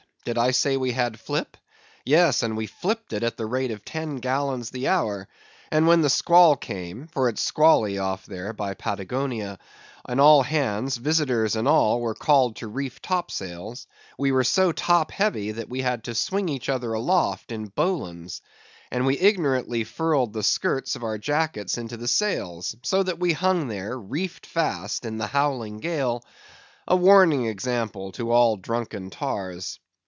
Did I say we had flip? Yes, and we flipped it at the rate of ten gallons the hour; and when the squall came (for it's squally off there by Patagonia), and all hands—visitors and all—were called to reef topsails, we were so top heavy that we had to swing each other aloft in bowlines; and we ignorantly furled the skirts of our jackets into the sails, so that we hung there, reefed fast in the howling gale, a warning example to all drunken tars.